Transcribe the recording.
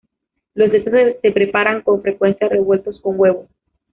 Los sesos se preparan con frecuencia revueltos con huevo.